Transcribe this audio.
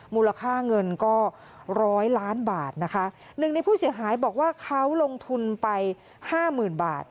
มูลค่าเงินก็ร้อยล้านบาทนะคะหนึ่งในผู้เสียหายบอกว่าเขาลงทุนไปห้าหมื่นบาท